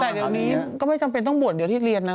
แต่เดี๋ยวนี้ก็ไม่จำเป็นต้องบวชเดี๋ยวที่เรียนนะ